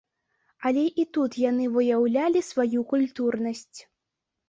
Але і тут яны выяўлялі сваю культурнасць.